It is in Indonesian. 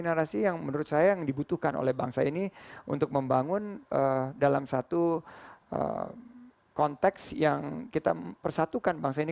narasi yang menurut saya yang dibutuhkan oleh bangsa ini untuk membangun dalam satu konteks yang kita persatukan bangsa ini